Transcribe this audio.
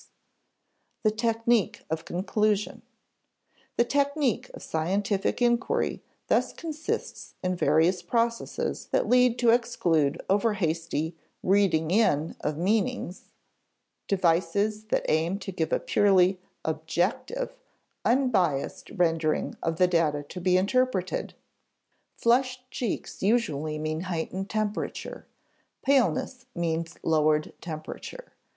[Sidenote: The technique of conclusion] The technique of scientific inquiry thus consists in various processes that tend to exclude over hasty "reading in" of meanings; devices that aim to give a purely "objective" unbiased rendering of the data to be interpreted. Flushed cheeks usually mean heightened temperature; paleness means lowered temperature.